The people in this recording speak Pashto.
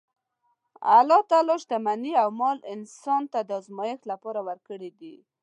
الله تعالی شتمني او مال انسان ته د ازمایښت لپاره ورکړې ده.